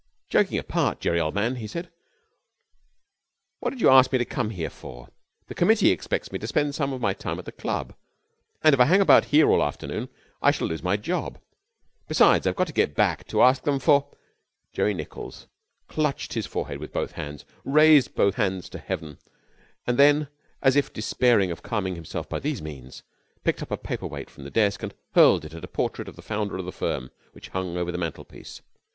'Joking apart, Jerry, old man,' he said, 'what did you ask me to come here for? The committee expects me to spend some of my time at the club, and if I hang about here all the afternoon I shall lose my job. Besides, I've got to get back to ask them for ' Jerry Nichols clutched his forehead with both hands, raised both hands to heaven, and then, as if despairing of calming himself by these means, picked up a paper weight from the desk and hurled it at a portrait of the founder of the firm, which hung over the mantelpiece.